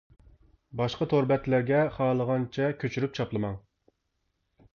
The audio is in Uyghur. باشقا تور بەتلەرگە خالىغانچە كۆچۈرۈپ چاپلىماڭ!